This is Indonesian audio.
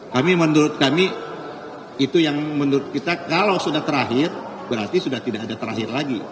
kami menurut kami itu yang menurut kita kalau sudah terakhir berarti sudah tidak ada terakhir lagi